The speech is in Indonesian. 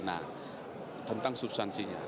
nah tentang substansinya